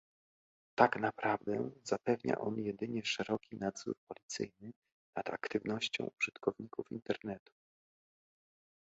Tak naprawdę zapewnia on jedynie szeroki nadzór policyjny nad aktywnością użytkowników Internetu